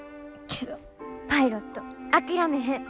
けどパイロット諦めへん。